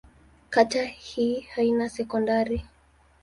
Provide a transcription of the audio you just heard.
Kata hii haina sekondari.